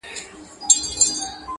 درې څلور يې وه غوايي په طبیله کي-